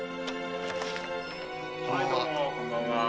はいどうもこんばんは。